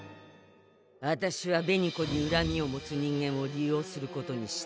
あたしは紅子にうらみを持つ人間を利用することにした。